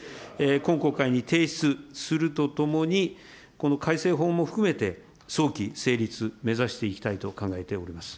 今国会に提出するとともに、この改正法も含めて、早期成立目指していきたいと考えております。